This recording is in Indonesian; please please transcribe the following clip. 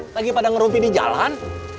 lagi pada ngerumpi di jalan